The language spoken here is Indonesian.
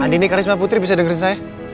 andi ini karisma putri bisa dengerin saya